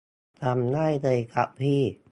ทำได้เลยครับพี่